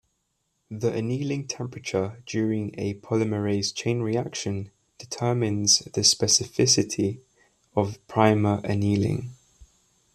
The annealing temperature during a polymerase chain reaction determines the specificity of primer annealing.